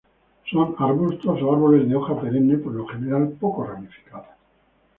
Son arbustos o árboles de hoja perenne, por lo general poco ramificadas.